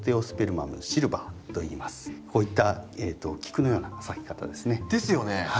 これはこういった菊のような咲き方ですね。ですよね。